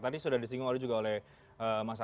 tadi sudah disinggung oleh pak asman abnur